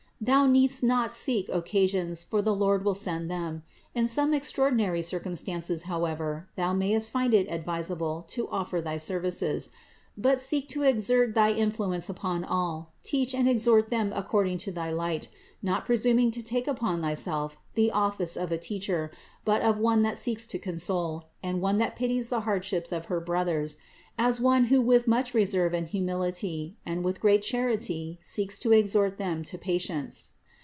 Thou needst not seek 574 CITY OF GOD occasions, for the Lord will send them. In some extraor dinary circumstances, however, thou mayst find it ad visable to offer thy services. But seek to exert thy influence upon all, teach and exhort them according to thy light; not presuming to take upon thyself the office of a teacher, but of one that seeks to console, and one that pities the hardships of her brothers ; as one who with much reserve and humility and with great charity seeks to exhort them to patience.